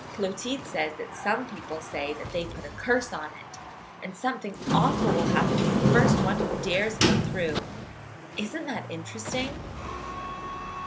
Clotilde says that some people say that they put a curse on it, and something awful will happen to the first one who dares to go through. Isn't that interesting?